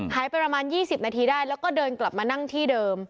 หายไปประมาณ๒๐นาทีได้แล้วก็เดินกลับมานั่งที่เดิม